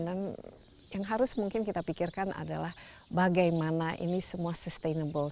dan yang harus mungkin kita pikirkan adalah bagaimana ini semua sustainable